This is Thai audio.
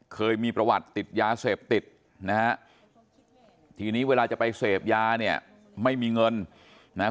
เคยมีประวัติติดยาเสพติดนะฮะทีนี้เวลาจะไปเสพยาเนี่ยไม่มีเงินนะฮะ